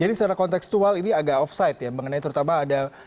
jadi secara konteksual ini agak off site ya mengenai terutama ada mention ada menyebutnya